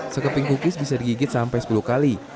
sekeping kukis bisa digigit sampai sepuluh kali